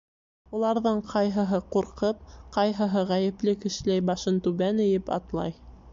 Уларҙың ҡайһыһы ҡурҡып, ҡайһыһы ғәйепле кешеләй, башын түбән эйеп, атлай.